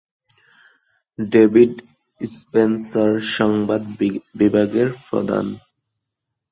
David Spencer সংবাদ বিভাগের প্রধান।